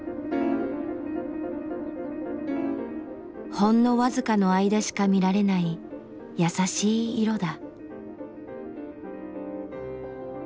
ほんの僅かの間しか見られない優しい色だ。